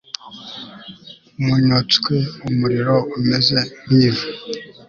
umunyotswe umuriro umeze nk'ivu